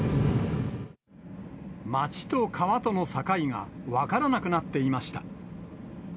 町と川との境が分からなくなっていました。